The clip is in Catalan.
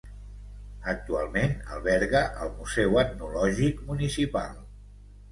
Actualment alberga el Museu Etnològic Municipal.